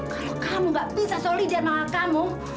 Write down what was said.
kalau kamu nggak bisa solidar memakai kamu